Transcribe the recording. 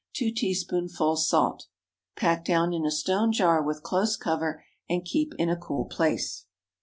2 teaspoonfuls salt. Pack down in a stone jar, with close cover, and keep in a cool place.